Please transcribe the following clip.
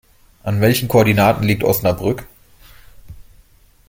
An welchen Koordinaten liegt Osnabrück?